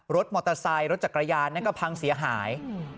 รถมอเตอร์ไซค์รถจักรยานนั่นก็พังเสียหาย